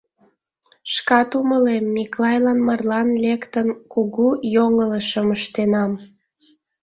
Шкат умылем, Миклайлан марлан лектын, кугу йоҥылышым ыштенам.